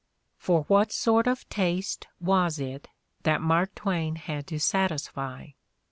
For what sort of taste was it that Mark Twain had to satisfy?